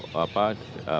pakar hukum tata negara